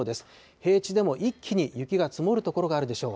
平地でも一気に雪が積もる所があるでしょう。